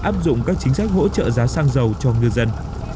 áp dụng các chính sách hỗ trợ giá xăng dầu cho ngư dân